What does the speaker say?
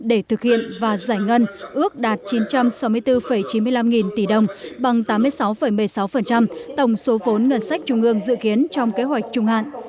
để thực hiện và giải ngân ước đạt chín trăm sáu mươi bốn chín mươi năm nghìn tỷ đồng bằng tám mươi sáu một mươi sáu tổng số vốn ngân sách trung ương dự kiến trong kế hoạch trung hạn